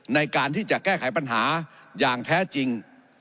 ในการที่จะแก้ไขปัญหาอย่างแท้จริง